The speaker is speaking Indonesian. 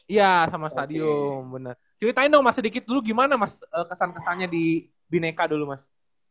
iya sama stadium benar ceritain dong mas sedikit dulu gimana mas kesan kesannya di bineka dulu mas